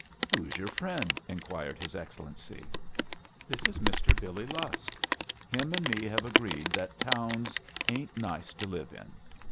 "Who's your friend?" inquired his Ex cellency. "This is Mister Billy Lusk. Him and me have agreed that towns ain't nice to live in.